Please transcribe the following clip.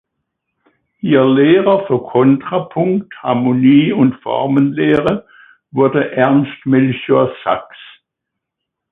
Ihr Lehrer für Kontrapunkt, Harmonie- und Formenlehre wurde Ernst Melchior Sachs.